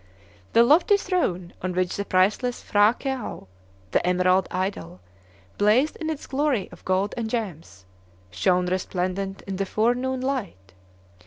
The lofty throne, on which the priceless P'hra Këau (the Emerald Idol) blazed in its glory of gold and gems, shone resplendent in the forenoon light.